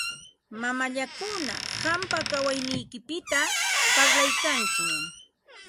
Mamallakuna qampa kawayniykipita parlaykanku.